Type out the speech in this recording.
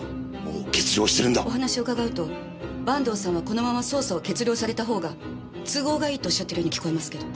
お話を伺うと坂東さんはこのまま捜査を結了された方が都合がいいとおっしゃってるように聞こえますけど。